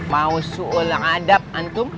mau suul adab antum